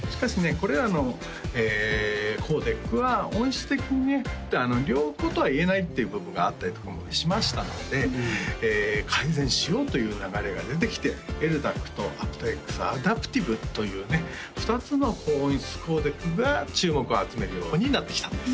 これらのコーデックは音質的にね良好とはいえないっていう部分があったりとかもしましたので改善しようという流れが出てきてＬＤＡＣとａｐｔＸＡｄａｐｔｉｖｅというね２つの高音質コーデックが注目を集めるようになってきたんです